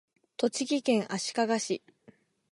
栃木県足利市